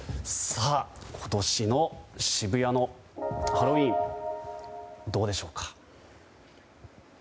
今年の渋谷のハロウィーンどうでしょうか。